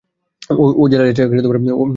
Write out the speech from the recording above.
ও জেলে যাচ্ছে।